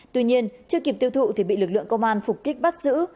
tuy nhiên chưa kịp tiêu thụ thì bị lực lượng công an phục kích bắt giữ